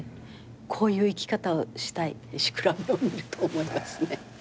こういう生き方をしたいってシクラメンを見ると思いますね。